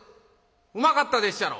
うまかったでっしゃろ？」。